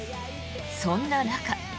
そんな中。